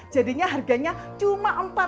jadinya harganya cuma empat ratus lima puluh ribu pak